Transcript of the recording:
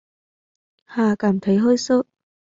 Hà cảm thấy hơi sợ